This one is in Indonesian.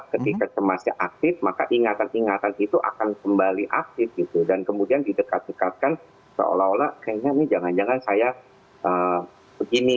ketika cemasnya aktif maka ingatan ingatan itu akan kembali aktif gitu dan kemudian didekat dekatkan seolah olah kayaknya ini jangan jangan saya begini